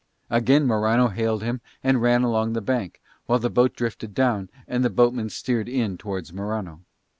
Again Morano hailed him and ran along the bank, while the boat drifted down and the boatman steered in towards Morano.